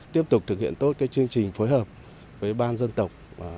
tiếp tục thực hiện tốt chương trình phối hợp với ban dân tộc